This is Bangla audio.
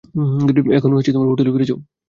এখন হোটেলে ফিরে যাও!